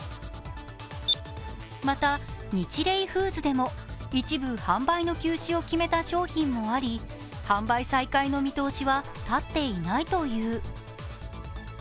また、ニチレイフーズでも一部販売の休止を決めた商品もあり販売再開の見通しは立っていないという。